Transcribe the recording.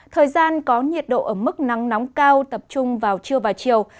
thời gian có nhiệt độ ở mức nắng nóng cao tập trung vào trưa và chiều